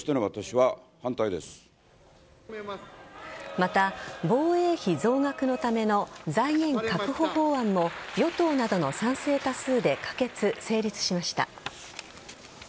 また、防衛費増額のための財源確保法案も与党などの賛成多数で可決成立しました。